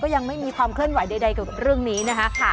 ยังไม่มีความเคลื่อนไหวใดกับเรื่องนี้นะคะ